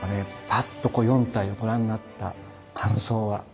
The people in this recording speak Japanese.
パッと４体をご覧になった感想は？